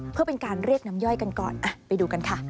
เพื่อเป็นการเรียกน้ำย่อยกันก่อนไปดูกันค่ะ